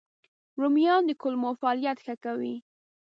رومیان د کولمو فعالیت ښه کوي